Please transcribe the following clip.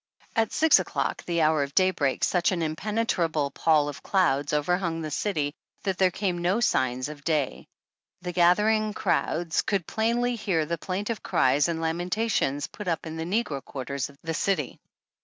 At six o'clock, the hour of daybreak, such an impenetrable pall of clouds overhung the city that there came no signs of day. The gathering crowds could plainly hear the plaintive cries and lamenta tions put up in the negro quarters of the city.